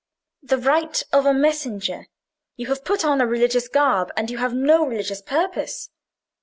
"The right of a messenger. You have put on a religious garb, and you have no religious purpose.